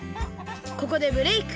ここでブレーク。